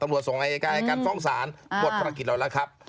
ตำรวจส่งไอ้การฟองศาลบทธิภารกิจเราละครับ